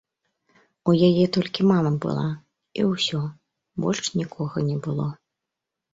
У яе толькі мама была, і ўсё, больш нікога не было.